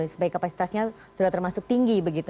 sebagai kapasitasnya sudah termasuk tinggi begitu